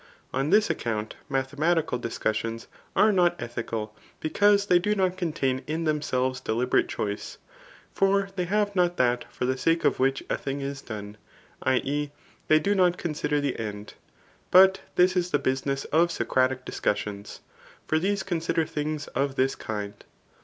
On this account mathematical discussions are not ethical, because they do not contain ix themselves deliberate choice ; for they have not that |br the sake of which a thing is done [i. e. they do not f^onsider the end ;3 but this is the business of Socradc discussions ; for these consider things of this kind.